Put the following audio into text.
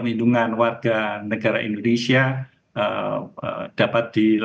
jadi pasca serangan terbatas ini tentunya situasi itu masih tetap fragile